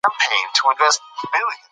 زندان کیسې نه ختموي.